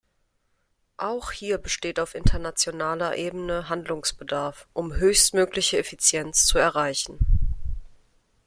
Auch hier besteht auf internationaler Ebene Handlungsbedarf, um höchstmögliche Effizienz zu erreichen.